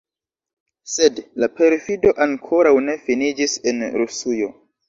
Sed la perfido ankoraŭ ne finiĝis en Rusujo.